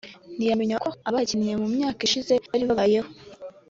ntiyamenya uko abahakiniye mu myaka ishize bari babayeho